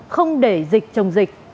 không để dịch chồng dịch